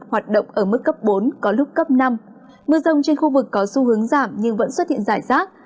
hoạt động ở mức cấp bốn có lúc cấp năm mưa rông trên khu vực có xu hướng giảm nhưng vẫn xuất hiện rải rác